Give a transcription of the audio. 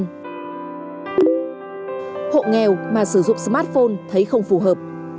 hộ nghèo mà sử dụng smartphone thấy không phù hợp